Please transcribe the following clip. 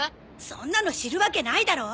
そんなの知るわけないだろ。